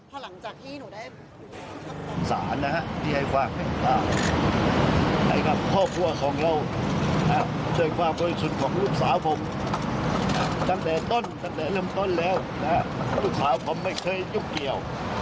วันที่น่ารักสงสารมากเลย